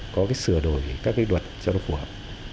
có cái sửa đổi các cái luật cho nó phù hợp